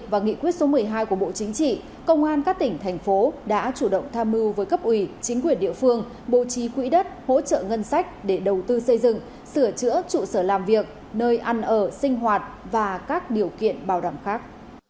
theo của bộ chính trị công an các tỉnh thành phố đã chủ động tham mưu với cấp ủy chính quyền địa phương bố trí quỹ đất hỗ trợ ngân sách để đầu tư xây dựng sửa chữa trụ sở làm việc nơi ăn ở sinh hoạt và các điều kiện bảo đảm khác